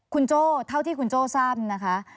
คุณโจ้เท่าที่คุณโจ้ทราบนะคะ